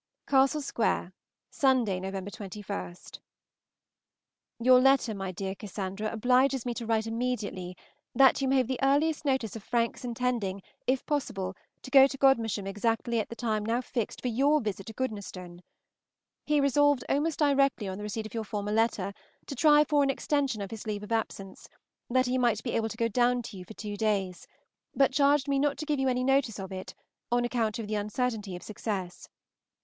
XXVIII. CASTLE SQUARE, Sunday (November 21). YOUR letter, my dear Cassandra, obliges me to write immediately, that you may have the earliest notice of Frank's intending, if possible, to go to Godmersham exactly at the time now fixed for your visit to Goodnestone. He resolved, almost directly on the receipt of your former letter, to try for an extension of his leave of absence, that he might be able to go down to you for two days, but charged me not to give you any notice of it, on account of the uncertainty of success.